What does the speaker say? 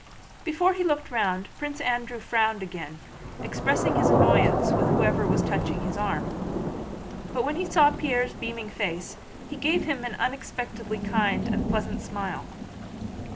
Before he looked round Prince Andrew frowned again, expressing his annoyance with whoever was touching his arm, but when he saw Pierre's beaming face he gave him an unexpectedly kind and pleasant smile.